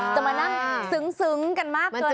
จะมานั่งซึ้งกันมากเกิน